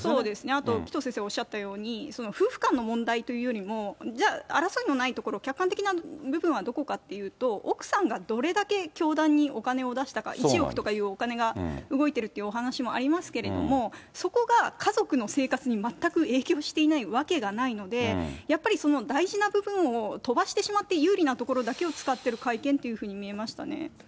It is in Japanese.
あと紀藤先生おっしゃったように、夫婦間の問題というよりも、じゃあ、争いのないところ、客観的な部分はどこかっていうと、奥さんがどれだけ教団にお金を出したか、１億とかいうお金が動いてるってお話もありますけれども、そこが家族の生活に全く影響していないわけがないので、やっぱりその大事な部分を飛ばしてしまって、有利な所だけを使ってる会見というふうに見えましたね。